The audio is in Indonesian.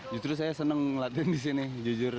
justru saya senang latihan di sini jujur